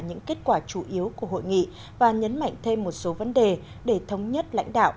những kết quả chủ yếu của hội nghị và nhấn mạnh thêm một số vấn đề để thống nhất lãnh đạo